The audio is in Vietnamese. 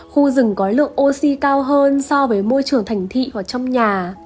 khu rừng có lượng oxy cao hơn so với môi trường thành thị hoặc trong nhà